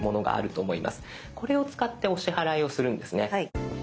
これを使ってお支払いをするんですね。